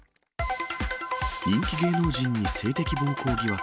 人気芸能人に性的暴行疑惑。